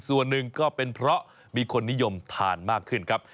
ส่วนหนึ่งก็เป็นเพราะมีคนนิยมทานมากขึ้นครับ